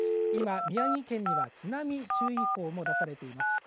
今、宮城県には津波注意報が出されています。